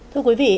thưa quý vị